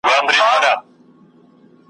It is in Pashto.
را نیژدې مي سباوون دی نازوه مي ,